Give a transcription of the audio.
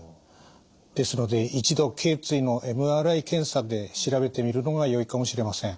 ですので一度けい椎のＭＲＩ検査で調べてみるのがよいかもしれません。